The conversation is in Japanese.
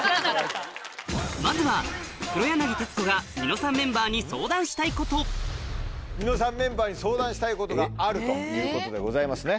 まずはニノさんメンバーにニノさんメンバーに相談したいことがあるということでございますね。